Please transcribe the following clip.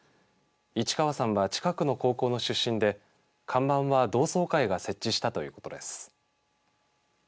市川さんは、近くの高校の出身で看板は同窓会が設置したということです。